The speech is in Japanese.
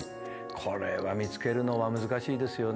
これは見つけるのは難しいですよね。